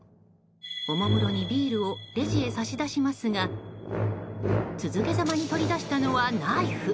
おもむろにビールをレジへ差し出しますが続けざまに取り出したのはナイフ。